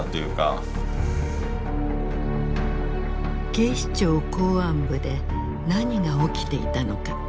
警視庁公安部で何が起きていたのか。